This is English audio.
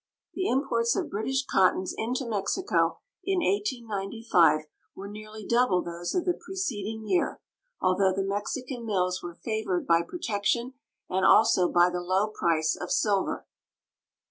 The imports of British cottons into Mexico in 1895 were nearly double those of the preceding year, although the Mexican mills were favored by protection and also by the low price of silver.